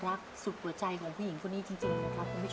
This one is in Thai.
ว้าว